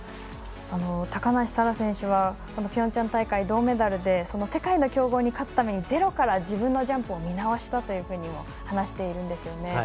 高梨沙羅選手はピョンチャン大会銅メダルで世界の強豪に勝つためにゼロから自分のジャンプを見直したというふうにも話しているんですよね。